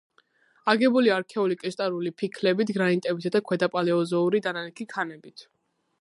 აგებულია არქეული კრისტალური ფიქლებით, გრანიტებითა და ქვედაპალეოზოური დანალექი ქანებით.